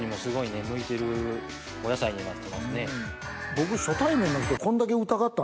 僕。